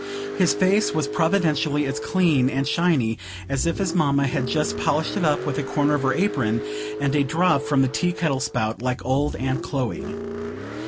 His face was providentially as clean and shiny as if his mamma had just polished it up with a corner of her apron and a drop from the tea kettle spout, like old Aunt Chloe.